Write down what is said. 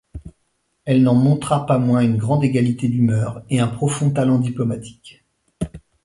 Elle n'en montra pas moins une grande égalité d'humeur et un profond talent diplomatique.